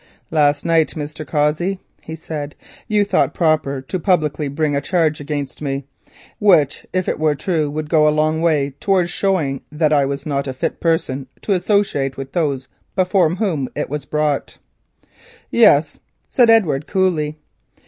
"Last night, Mr. Cossey," he said, "you thought proper to publicly bring a charge against me, which if it were true would go a long way towards showing that I was not a fit person to associate with those before whom it was brought." "Yes," said Edward coolly.